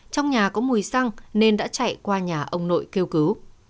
trong nhà có mùi xăng nên đã chạy qua nhà ông nội kêu cứu